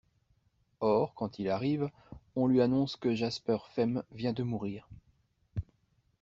Or, quand il arrive, on lui annonce que Jasper Femm vient de mourir.